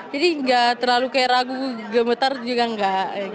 jadi enggak terlalu kayak ragu gemetar juga enggak